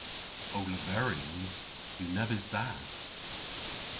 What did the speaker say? Ow leveryans yw nebes da.